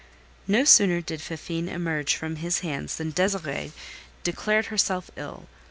No sooner did Fifine emerge from his hands than Désirée declared herself ill.